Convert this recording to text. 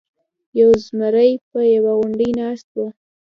یو زمری په یوه غونډۍ ناست و.